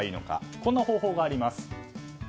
こんな方法があります。